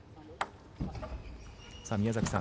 宮崎さん